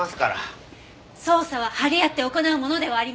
捜査は張り合って行うものではありません。